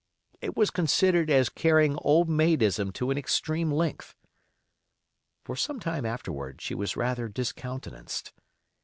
It was considered as carrying old maidism to an extreme length. For some time afterward she was rather discountenanced.